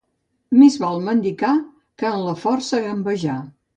Més val mendicar que en la forca gambejar.